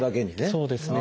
そうですね。